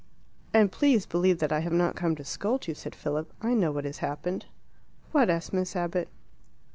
"And please believe that I have not come to scold you," said Philip. "I know what has happened." "What?" asked Miss Abbott.